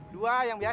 dua yang biasa